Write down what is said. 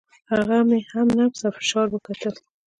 هغه مې هم نبض او فشار وکتل.